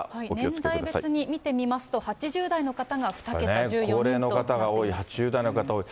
年代別に見てみますと、８０代の方が２桁、高齢の方が多い、８０代の方が多い。